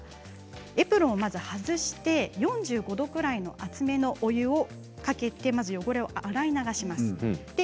エプロンを外して４５度くらいの熱めのお湯をかけて汚れを洗い流します。